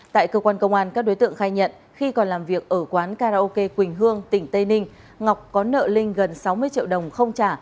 tại cơ quan công an các đối tượng khai nhận khi còn làm việc ở quán karaoke quỳnh hương tỉnh tây ninh ngọc có nợ linh gần sáu mươi triệu đồng không trả